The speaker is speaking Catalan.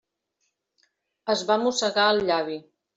Es va mossegar el llavi.